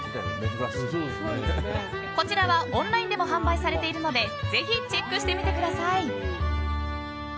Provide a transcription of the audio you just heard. こちらはオンラインでも販売されているのでぜひチェックしてみてください。